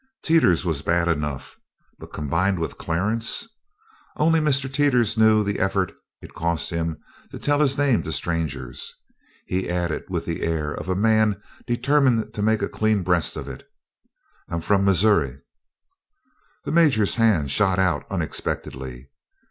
Teeters was bad enough, but combined with Clarence! Only Mr. Teeters knew the effort it cost him to tell his name to strangers. He added with the air of a man determined to make a clean breast of it: "I'm from Missoury." The Major's hand shot out unexpectedly.